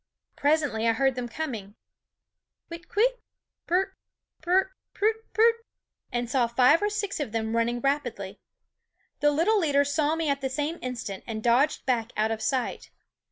Presently I heard them coming Whit kwit? pr r r, pr r r, prut, prut ! and saw five or six of them running rapidly. The little leader saw me at the same instant and dodged back out of sight.